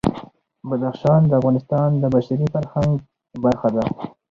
بدخشان د افغانستان د بشري فرهنګ برخه ده.